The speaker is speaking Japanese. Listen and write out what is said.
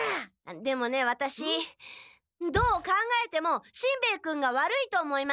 でもねワタシどう考えてもしんべヱ君が悪いと思います。